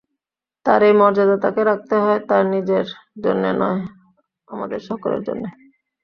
তাঁর এই মর্যাদা তাঁকে রাখতে হয় তাঁর নিজের জন্যে নয়, আমাদের সকলের জন্যে।